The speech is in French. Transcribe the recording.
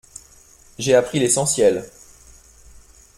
J’ai appris l’essentiel.